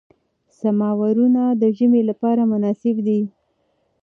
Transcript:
سمورونه د ژمي لپاره مناسب دي.